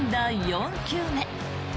４球目。